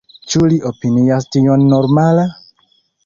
Ĉu li opinias tion normala?